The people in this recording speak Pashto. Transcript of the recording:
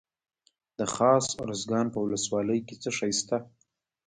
د خاص ارزګان په ولسوالۍ کې څه شی شته؟